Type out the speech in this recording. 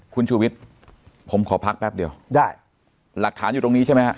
คุณชูวิทย์ผมขอพักแป๊บเดียวได้หลักฐานอยู่ตรงนี้ใช่ไหมฮะ